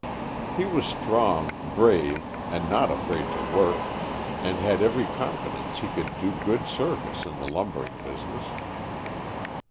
He was strong, brave, and not afraid to work, and had every confidence he could do good service in the lumbering business.